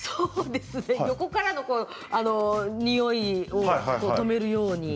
横からのにおいをとめるように。